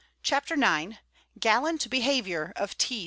CHAPTER IX GALLANT BEHAVIOUR OF T.